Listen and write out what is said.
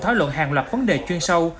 thói luận hàng loạt vấn đề chuyên sâu